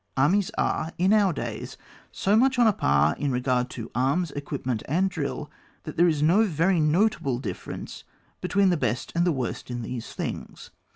Armies are in our days so much on a par in regard to arms, equipment, and drill, that there is no very notable dif ference between the best and the worst in these things.